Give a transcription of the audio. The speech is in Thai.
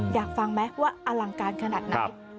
อยากฟังไหมว่าอลังการขนาดไหน